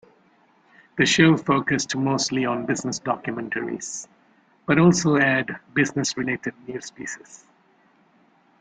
The show focused mostly on business documentaries, but also aired business-related news pieces.